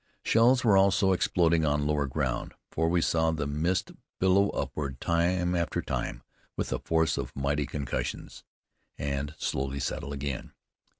Shells were also exploding on lower ground, for we saw the mist billow upward time after time with the force of mighty concussions, and slowly settle again.